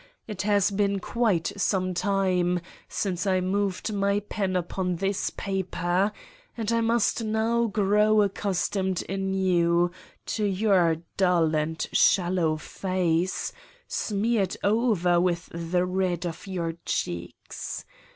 It has been quite some time since I moved my pen upon this paper and I must now grow accustomed anew to your dull and shallow face, smeared o'er with the red of your cheeks.